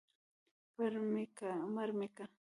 پړ مې که ، مړ مې که.